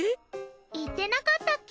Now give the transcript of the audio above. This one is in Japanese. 言ってなかったっけ？